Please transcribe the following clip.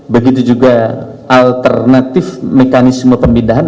begitu juga alternatif mekanisme pemindahan